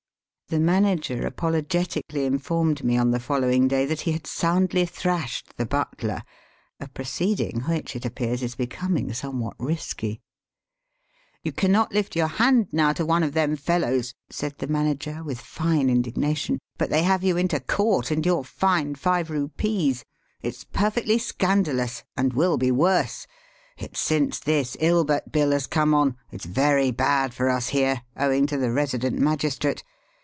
The manager apologetically informed me on the following day that he had soundly thrashed the butler, a proceeding which, it appears, is becoming somewhat risky. "You cannot lift your hand now to one of them fellows," said the manager, with fine indignation, "but they have you into court and you're fined five rupees. It's perfectly scandalous, and will be worse ; it's since this Ilbert Bill has come on. It's very bad for us here, owing to the resident magistrate.